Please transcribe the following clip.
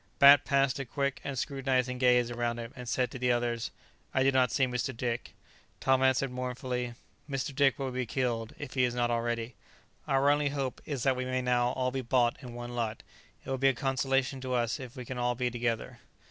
Bat passed a quick and scrutinizing gaze around him, and said to the others, "I do not see Mr. Dick." Tom answered mournfully, "Mr. Dick will be killed, if he is not dead already. Our only hope is that we may now all be bought in one lot; it will be a consolation to us if we can be all together."